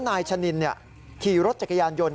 นายชะนินขี่รถจักรยานยนต์